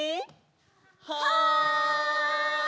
はい！